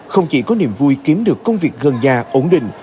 không chỉ có niềm vui kiếm được công việc gần nhà ổn định